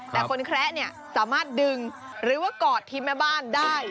แต่คนแคระเนี่ยสามารถดึงหรือว่ากอดทีมแม่บ้านได้